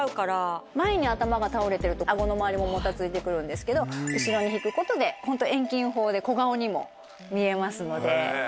前に頭が倒れてると顎の周りももたついてくるんですけど後ろに引くことで遠近法で小顔にも見えますので。